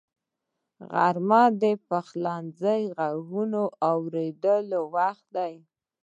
غرمه د پخلنځي غږونو اورېدو وخت دی